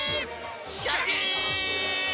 シャキーン！